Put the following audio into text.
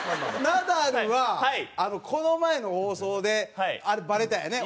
ナダルはこの前の放送であれバレたんやね